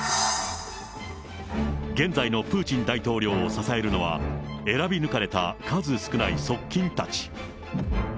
現在のプーチン大統領を支えるのは、選び抜かれた数少ない側近たち。